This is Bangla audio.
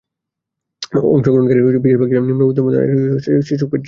অংশগ্রহণকারীরা বেশিরভাগ ছিলেন নিন্মমধ্যবিত্ত আয়ের দেশ থেকে আগত শিশু পেডিয়াট্রিক সার্জন।